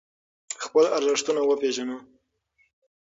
خپل ارزښتونه وپیژنو.